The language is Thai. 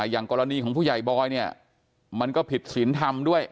อย่างกรณีของผู้ใหญ่บอยเนี่ยมันก็ผิดศีลธรรมด้วย